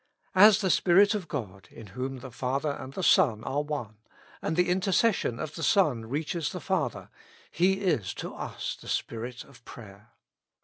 As the Spirit of God, in whom the Father and the Son are one, and the intercession of the Son reaches the Father, He is to us the Spirit of prayer.